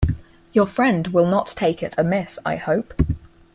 Your friend will not take it amiss I hope.